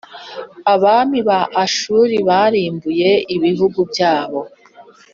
abami ba Ashuri barimbuye ibihugu byose